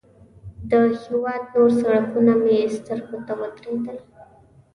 د هېواد نور سړکونه مې سترګو ته ودرېدل.